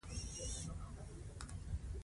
زه د مستندو پروګرامونو نندارې خوښوم.